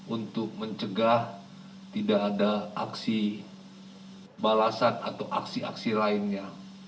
untuk mencegah tidak ada aksi balasan atau aksi aksi lainnya